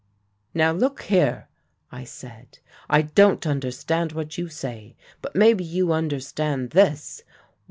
"'Now look here,' I said; 'I don't understand what you say, but maybe you understand this.